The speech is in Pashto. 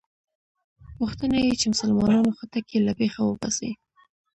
غوښته یې چې مسلمانانو خټکی له بېخه وباسي.